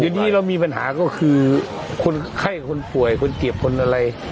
เดี๋ยวนี้เรามีปัญหาก็คือคนไข้คนป่วยคนเจ็บคนอะไร